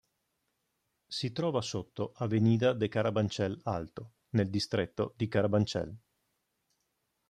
Si trova sotto "Avenida de Carabanchel Alto", nel distretto di Carabanchel.